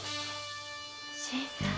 新さん。